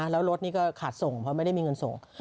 แล้วโรศกอีกก็ขาดส่งไม่ได้มีเงินส่ง